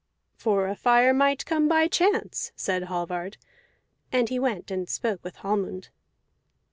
"For fire might come by chance," said Hallvard, and he went and spoke with Hallmund.